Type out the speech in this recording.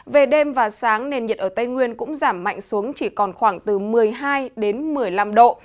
về đêm và sáng nền nhiệt ở tây nguyên cũng giảm mạnh xuống chỉ còn khoảng từ một mươi hai đến một mươi năm độ